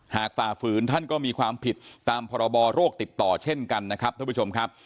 ฝ่าฝืนท่านก็มีความผิดตามพรบโรคติดต่อเช่นกันนะครับท่านผู้ชมครับ